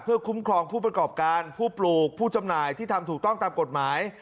เพื่อคุ้มครองผู้ประกอบการผู้ปลูกผู้จำหน่ายที่ทำถูกต้องตามกฎหมาย